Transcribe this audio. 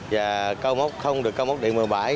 và không được cao mốc điện mùa bãi